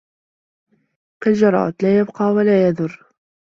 كالجراد: لا يبقى ولا يذر